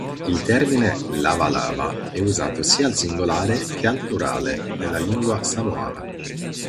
Il termine "lava-lava" è usato sia al singolare che al plurale nella lingua samoana.